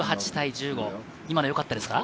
今のよかったですか？